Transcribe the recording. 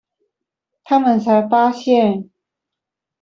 他們才發現